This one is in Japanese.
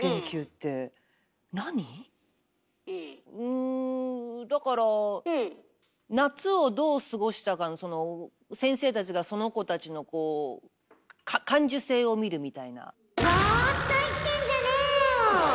うぅだから夏をどう過ごしたかのその先生たちがその子たちのこう感受性を見るみたいな。